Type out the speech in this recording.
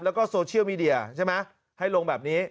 แล้วก็โซเชียลมีเดียใช่ไหมให้ลงแบบนี้